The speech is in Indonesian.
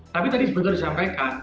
tapi tadi sebenarnya disampaikan